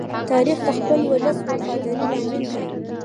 تاریخ د خپل ولس د وفادارۍ لامل دی.